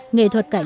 nghệ thuật cảnh